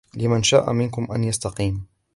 لِمَنْ شَاءَ مِنْكُمْ أَنْ يَسْتَقِيمَ